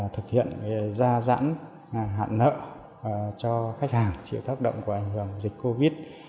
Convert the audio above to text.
thực hiện gia giãn hạn nợ cho khách hàng chịu tác động của ảnh hưởng dịch covid